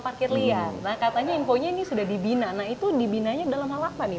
parkir liar nah katanya infonya ini sudah dibina nah itu dibinanya dalam hal apa nih